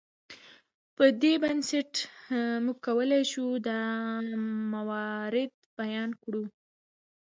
پر دې بنسټ موږ کولی شو دا موارد بیان کړو.